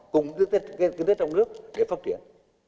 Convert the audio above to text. cùng với các nơi trong nước để phát triển